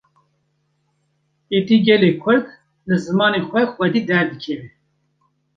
Êdî gelê Kurd, li zimanê xwe xwedî derdikeve